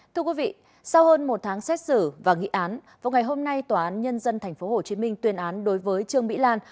thưa quý vị sau hơn một tháng xét xử và nghị án vào ngày hôm nay tòa án nhân dân tp hcm tuyên án đối với trương mỹ lan